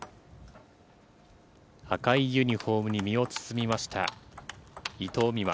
赤いユニホームに身を包みました、伊藤美誠。